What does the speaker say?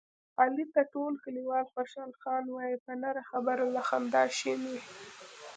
علي ته ټول کلیوال خوشحال خان وایي، په نه خبره له خندا شین وي.